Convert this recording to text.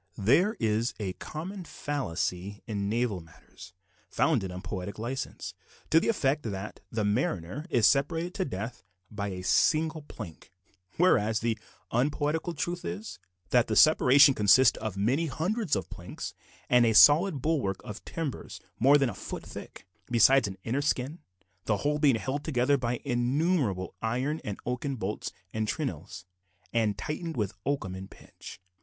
There is a common fallacy in naval matters founded on poetical license, to the effect that the mariner is separated from death by a single plank; whereas, the unpoetical truth is, that the separation consists of many hundreds of planks, and a solid bulwark of timbers more than a foot thick, besides an inner "skin," the whole being held together by innumerable iron and oaken bolts and trenails, and tightened with oakum and pitch.